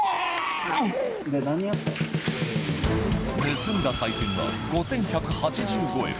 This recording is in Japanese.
盗んださい銭は、５１８５円。